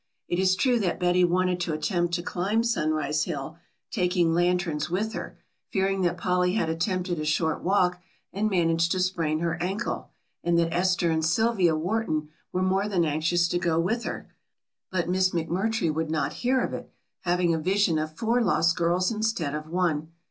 It is true that Betty wanted to attempt to climb Sunrise Hill, taking lanterns with her, fearing that Polly had attempted a short walk and managed to sprain her ankle, and that Esther and Sylvia Wharton were more than anxious to go with her, but Miss McMurtry would not hear of it, having a vision of four lost girls instead of one.